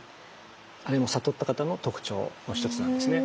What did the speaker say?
あれも悟った方の特徴の一つなんですね。